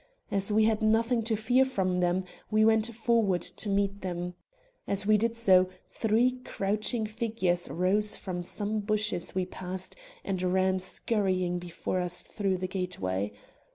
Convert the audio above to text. As we had nothing to fear from them, we went forward to meet them. As we did so, three crouching figures rose from some bushes we passed and ran scurrying before us through the gateway.